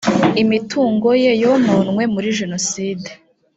imitungo ye yononwe muri jenoside